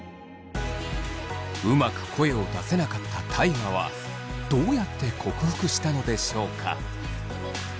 うまく声を出せなかった大我はどうやって克服したのでしょうか。